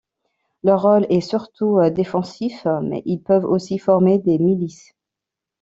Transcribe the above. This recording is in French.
Leur rôle est surtout défensif mais ils peuvent aussi former des milices.